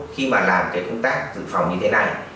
khi mà làm cái công tác dự phòng như thế này